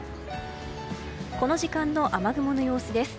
この時間の雨雲の様子です。